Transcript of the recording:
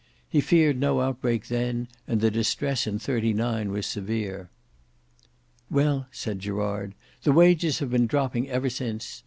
He feared no outbreak then, and the distress in '39 was severe." "Well," said Gerard, "the wages have been dropping ever since.